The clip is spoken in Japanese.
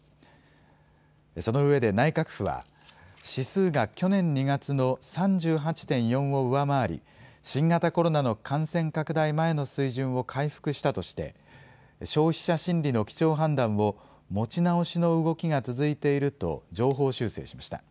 そのうえで内閣府は指数が去年２月の３８．４を上回り新型コロナの感染拡大前の水準を回復したとして消費者心理の基調判断を持ち直しの動きが続いていると上方修正しました。